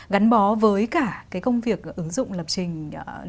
gắn bó với cả cái công việc ứng dụng lập trình